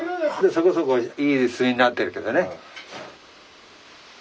そこそこいい炭になってるけどね。